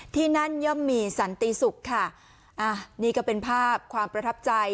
ที่นั่นย่อมมีสันติศุกร์ค่ะอ่านี่ก็เป็นภาพความประทับใจ